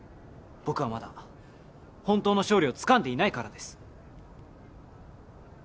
僕はまだ本当の勝利をつかんでいないからです